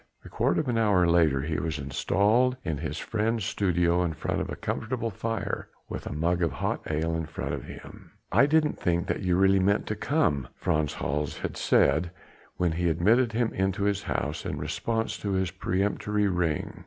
A quarter of an hour later he was installed in his friend's studio in front of a comfortable fire and with a mug of hot ale in front of him. "I didn't think that you really meant to come," Frans Hals had said when he admitted him into his house in response to his peremptory ring.